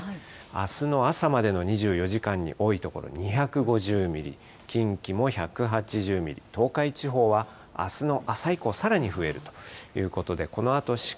あすの朝までの２４時間に多い所２５０ミリ、近畿も１８０ミリ、東海地方はあすの朝以降、さらに増えるということで、このあと四